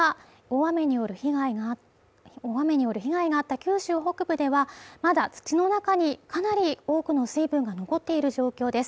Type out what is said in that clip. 大雨による被害があった九州北部ではまだ土の中に、かなり多くの水分が残っている状況です。